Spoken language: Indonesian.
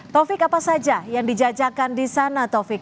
taufik apa saja yang dijajakan di sana taufik